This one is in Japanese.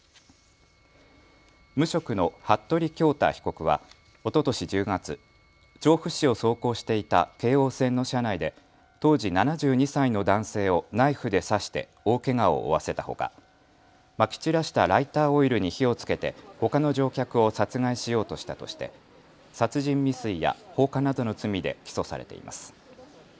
無職の服部恭太被告はおととし１０月、調布市を走行していた京王線の車内で当時７２歳の男性をナイフで刺して大けがを負わせたほか、まき散らしたライターオイルに火をつけてほかの乗客を殺害しようとしたとして殺人未遂や放火などの罪で起訴されています。